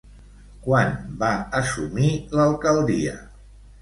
Quan va assumir l'alcaldia?